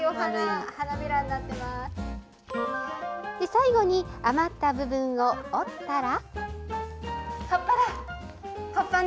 最後に余った部分を折ったら。